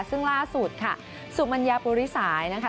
ซึ่งล่าสุดค่ะสุมัญญาปุริสายนะคะ